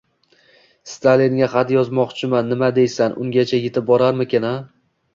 — Stalinga xat yozmoqchiman, nima deysan, ungacha yetib borarmikan-a?